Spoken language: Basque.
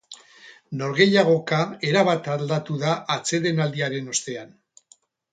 Norgehiagoka erabat aldatu da atsedenaldiaren ostean.